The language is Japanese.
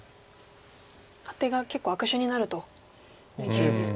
アテが結構悪手になると見てるんですね。